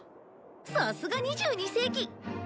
さすが２２世紀！